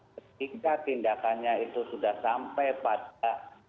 ketika tindakannya itu sudah sampai pada